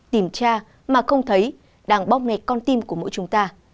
tìm cha mà không thấy đang bóc mệt con tim của mỗi chúng ta